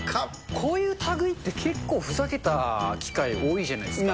こういうたぐいって、結構、ふざけた機械、多いじゃないですか。